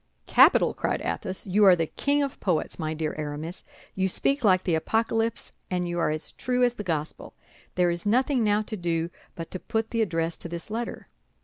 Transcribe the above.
"Capital!" cried Athos; "you are the king of poets, my dear Aramis. You speak like the Apocalypse, and you are as true as the Gospel. There is nothing now to do but to put the address to this letter."